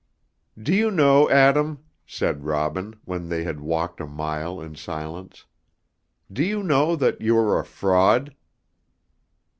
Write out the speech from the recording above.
"Do you know, Adam," said Robin, when they had walked a mile in silence, "do you know that you are a fraud?"